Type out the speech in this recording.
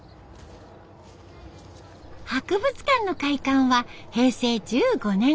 博物館の開館は平成１５年。